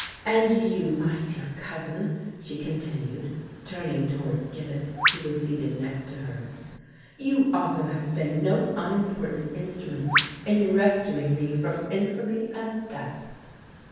"And you, my dear cousin," she continued, turning towards Gibbet, who was seated next to her,—"you also have been no unimportant instrument in rescuing me from infamy and death."